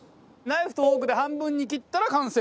ナイフとフォークで半分に切ったら完成です。